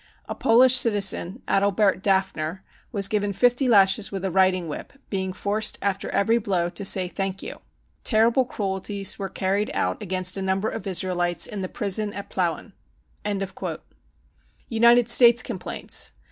A Polish citizen, Adalbert Dafner, was given 50 lashes with a riding whip, being forced after every blow to say 4 Thank you.' Terrible cruelties were carried out against a number of Israelites in the prison at Plauen." United States Complaints.